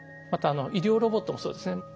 また医療ロボットもそうですね。